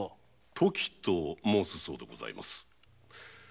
“とき”と申すそうでございます。